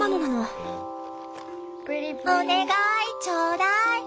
「おねがいちょうだい」。